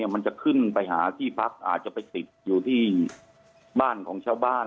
มันจะขึ้นไปหาที่พักอาจจะไปติดอยู่ที่บ้านของชาวบ้าน